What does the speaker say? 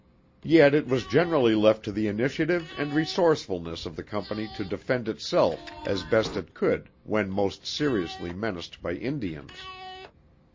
Yet it was generally left to the initiative and resourcefulness of the company to defend itself as best it could when most seriously menaced by Indians.